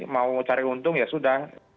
mau cari untung ya sudah